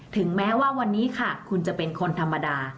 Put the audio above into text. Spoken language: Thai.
ถึงแม้ว่าวันนี้ค่ะคุณจะเป็นคนธรรมดา